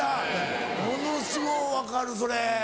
ものすごい分かるそれ。